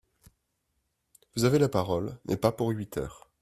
Vous avez la parole, mais pas pour huit heures